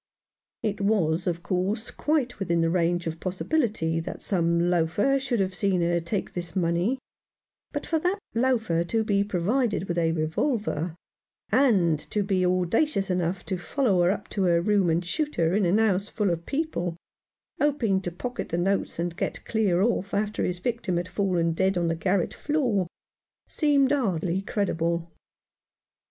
It was, of course, quite within the range of possibility that some loafer should have seen her take this money, but for that loafer to be provided with a revolver, and to be audacious enough to follow her up to her room and shoot her in a house full of people, hoping to pocket the notes and get clear off after his victim had fallen dead on the garret floor, seemed hardly credible.